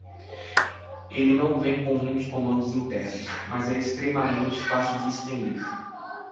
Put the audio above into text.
Ele não vem com muitos comandos internos?, mas é extremamente fácil de extender.